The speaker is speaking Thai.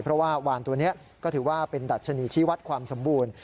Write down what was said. เพราะว่าวานตัวนี้ก็ถือว่าเป็นดัชนีชีวัตรความสมบูรณ์